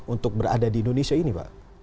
untuk berada di indonesia ini pak